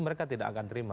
mereka tidak akan terima